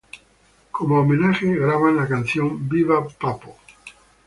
Como homenaje, graban la canción Viva Pappo.